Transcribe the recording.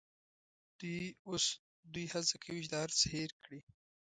اوس دوی هڅه کوي چې دا هرڅه هېر کړي.